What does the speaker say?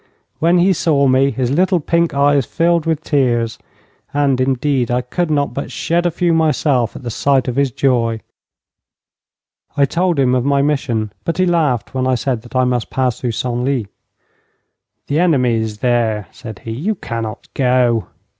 When he saw me his little pink eyes filled with tears, and, indeed, I could not but shed a few myself at the sight of his joy. I told him of my mission, but he laughed when I said that I must pass through Senlis. 'The enemy is there,' said he. 'You cannot go.'